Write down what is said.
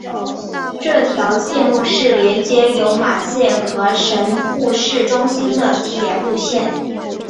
这条线路是连接有马线和神户市中心的铁路线。